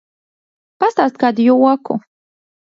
Pastāsti kādu joku!